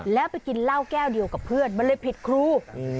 แล้วไปกินเหล้าแก้วเดียวกับเพื่อนมันเลยผิดครู